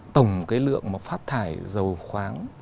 tổng cái lượng mà phát thải dầu khoáng